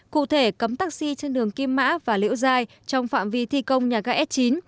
cụ thể cấm taxi trên đường kim mã và liễu giai trong phạm vi thi công nhà ga s chín